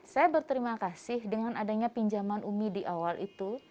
saya berterima kasih dengan adanya pinjaman umi di awal itu